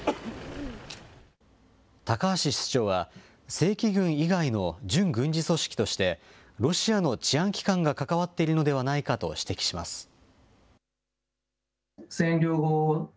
高橋室長は正規軍以外の準軍事組織としてロシアの治安機関が関わっているのではないかと指摘します。